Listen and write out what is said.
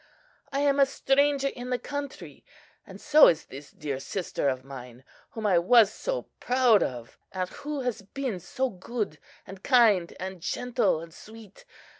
I am a stranger in the country, and so is this dear sister of mine, whom I was so proud of; and who has been so good, and kind, and gentle, and sweet.